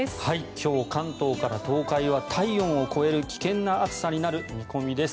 今日、関東から東海は体温を超える危険な暑さになる見込みです。